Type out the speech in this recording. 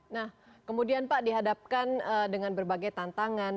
nah kemudian pak dihadapkan dengan berbagai tantangan